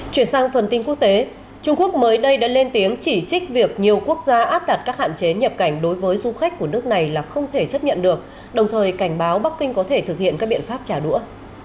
chuyển sang phần tin quốc tế trung quốc mới đây đã lên tiếng chỉ trích việc nhiều quốc gia áp đặt các hạn chế nhập cảnh đối với du khách của nước này là không thể chấp nhận được đồng thời cảnh báo bắc kinh có thể thực hiện các biện pháp trả đũa